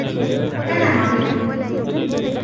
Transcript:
أنا مريض.